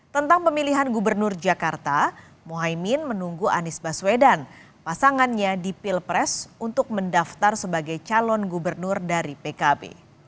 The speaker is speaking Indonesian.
tentang pemilihan gubernur jakarta mohaimin menunggu anies baswedan pasangannya di pilpres untuk mendaftar sebagai calon gubernur dari pkb